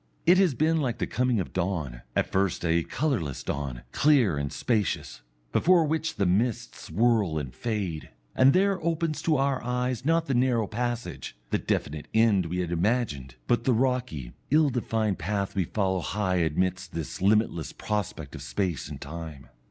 It has been like the coming of dawn, at first a colourless dawn, clear and spacious, before which the mists whirl and fade, and there opens to our eyes not the narrow passage, the definite end we had imagined, but the rocky, ill defined path we follow high amidst this limitless prospect of space and time.